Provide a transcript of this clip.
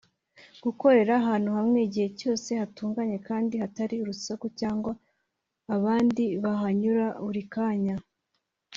Gukorera ahantu hamwe (igihe cyose) hatunganye kandi hatari urusaku cyangwa abandi bahanyura buri kanya